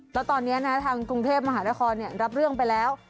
แล้วตอนนี้ทางกรุงเทพมหานครรับเรื่องไปแล้ว